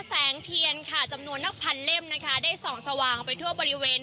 แสงเทียนค่ะจำนวนนับพันเล่มนะคะได้ส่องสว่างไปทั่วบริเวณ